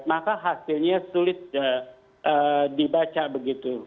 maka hasilnya sulit dibaca begitu